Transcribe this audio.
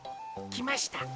きました。